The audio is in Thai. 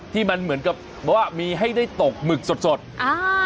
ที่มันเหมือนกับว่ามีให้ได้ตกหมึกสดสดอ่า